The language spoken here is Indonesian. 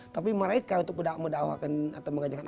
tapi mereka untuk menda'wah atau mengajarkan alim